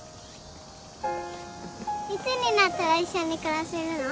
いつになったら一緒に暮らせるの？